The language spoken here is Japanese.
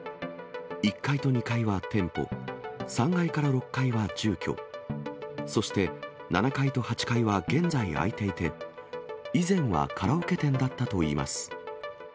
１階と２階は店舗、３階から６階は住居、そして、７階と８階は現在空いていて、以前はカラオケ店だったといいます。